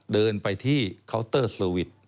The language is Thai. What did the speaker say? เดินไปที่เคาน์เตอร์เซอร์วิส